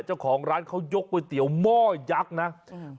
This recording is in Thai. เจ้าของร้านเขายกก๋วยเตี๋ยวหม้อยักษ์นะอืม